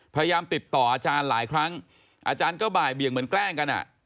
พยายามติดต่ออาจารย์หลายครั้งอาจารย์ก็บ่ายเบี่ยงเหมือนแกล้งกัน